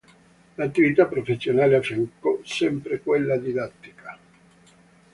All'attività professionale affiancò sempre quella didattica.